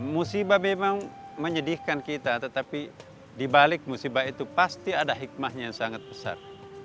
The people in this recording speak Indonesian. musibah memang menyedihkan kita tetapi dibalik musibah itu pasti ada hikmahnya yang sangat besar